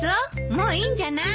もういいんじゃない？